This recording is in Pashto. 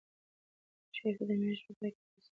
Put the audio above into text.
شریف ته د میاشتې په پای کې پیسې ورکول کېږي.